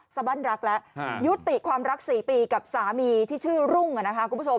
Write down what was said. สบั้นรักแล้วยุติความรัก๔ปีกับสามีที่ชื่อรุ่งนะคะคุณผู้ชม